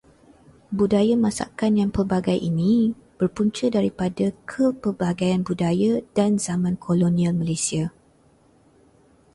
Budaya masakan yang pelbagai ini berpunca daripada kepelbagaian budaya dan zaman kolonial Malaysia.